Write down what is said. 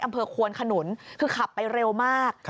อำเภอควนขนุนคือขับไปเร็วมาก